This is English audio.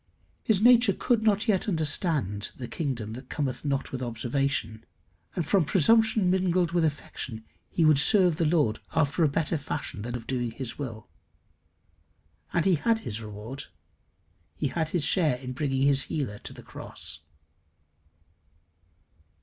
His nature could not yet understand the kingdom that cometh not with observation, and from presumption mingled with affection, he would serve the Lord after a better fashion than that of doing his will. And he had his reward. He had his share in bringing his healer to the cross.